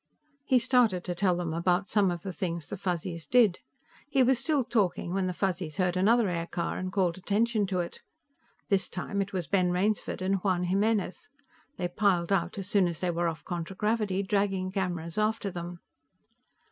He started to tell them about some of the things the Fuzzies did. He was still talking when the Fuzzies heard another aircar and called attention to it. This time, it was Ben Rainsford and Juan Jimenez. They piled out as soon as they were off contragravity, dragging cameras after them.